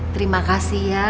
terima kasih ya